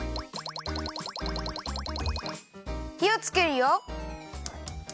ひをつけるよ。